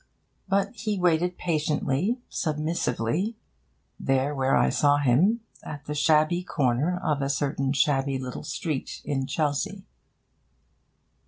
But he waited patiently, submissively, there where I saw him, at the shabby corner of a certain shabby little street in Chelsea.